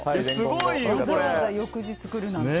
わざわざ翌日来るなんて。